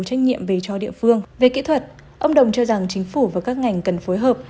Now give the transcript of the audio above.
trách nhiệm về cho địa phương về kỹ thuật ông đồng cho rằng chính phủ và các ngành cần phối hợp